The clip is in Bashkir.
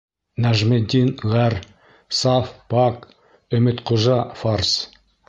Нәжметдин ғәр. — саф, пак Өмөтҡужа фарс.